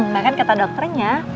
makan kata dokternya